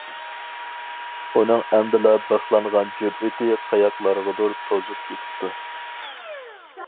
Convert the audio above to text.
ئۇنىڭ ئەمدىلا بىخلانغان جۈرئىتى قاياقلارغىدۇر توزۇپ كېتىپتۇ.